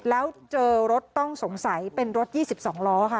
แล้วเจอรถต้องสงสัยเป็นรถ๒๒ล้อค่ะ